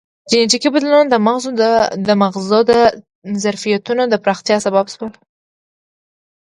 جینټیکي بدلونونه د مغزو د ظرفیتونو د پراختیا سبب شول.